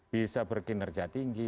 bisa berkinerja tinggi